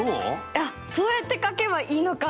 あっそうやって書けばいいのか！